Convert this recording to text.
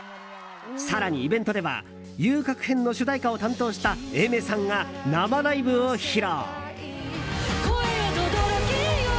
更にイベントでは「遊郭編」劇中の主題歌を担当したＡｉｍｅｒさんが生ライブを披露。